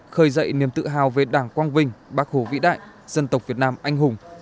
khởi dậy niềm tự hào về đảng quang vinh bác hồ vĩ đại dân tộc việt nam anh hùng